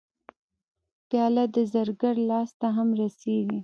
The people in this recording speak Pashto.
پیاله د زرګر لاس ته هم رسېږي.